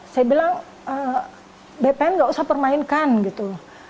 saya bilang bpn nggak usah permainkan gitu